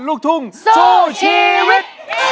ลูกทุ่งสู้ชีวิต